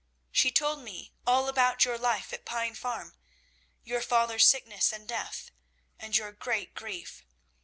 She told me all about your life at Pine Farm, your father's sickness and death, and your great grief.